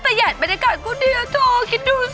แต่อย่างบรรยากาศก็เดียวโทษคิดดูซิ